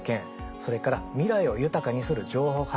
それから「未来を豊かにする情報発信」。